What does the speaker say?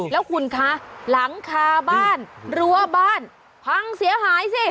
แล้วคุณคะหลังคาบ้านรั้วบ้านพังเสียหายสิ